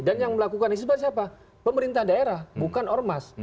dan yang melakukan hizbah siapa pemerintah daerah bukan ormas